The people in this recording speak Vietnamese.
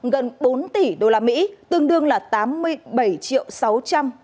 gần bốn tỷ đô la mỹ tương đương là tám mươi bảy triệu sáu trăm một mươi